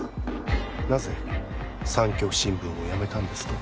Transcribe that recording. なぜ産教新聞を辞めたんですか？